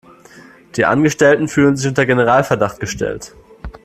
Die Angestellten fühlen sich unter Generalverdacht gestellt.